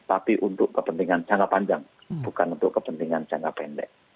tapi untuk kepentingan jangka panjang bukan untuk kepentingan jangka pendek